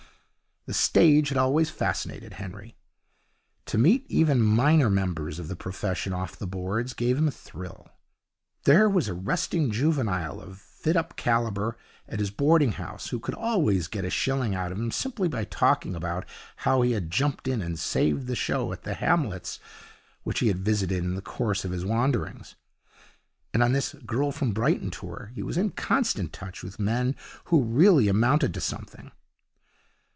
The stage had always fascinated Henry. To meet even minor members of the profession off the boards gave him a thrill. There was a resting juvenile, of fit up calibre, at his boarding house who could always get a shilling out of him simply by talking about how he had jumped in and saved the show at the hamlets which he had visited in the course of his wanderings. And on this 'Girl From Brighton' tour he was in constant touch with men who really amounted to something.